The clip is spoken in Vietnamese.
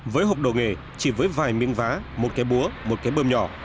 với hộp đồ nghề chỉ với vài miếng vá một cái búa một cái bơm nhỏ